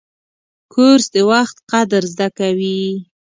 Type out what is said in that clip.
کورس د وخت قدر زده کوي.